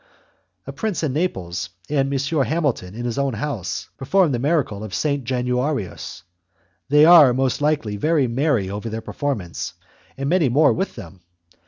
A prince in Naples, and M. Hamilton in his own house, perform the miracle of St. Januarius; they are, most likely, very merry over their performance, and many more with them.